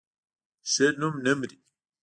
ښه نوم نه مري